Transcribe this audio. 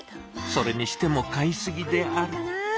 それにしても買いすぎである。